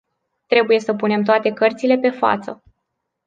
Trebuie să punem toate cărțile pe față.